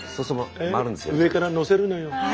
上からのせるのよ。